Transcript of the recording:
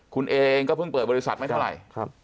คุณเองก็เพิ่งเปิดบริษัทไม่เท่าไหร่